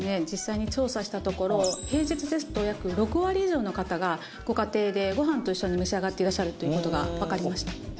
実際に調査したところ平日ですと約６割以上の方がご家庭でご飯と一緒に召し上がっていらっしゃるという事がわかりました。